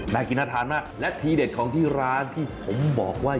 น่ากินน่าทานมากและทีเด็ดของที่ร้านที่ผมบอกว่า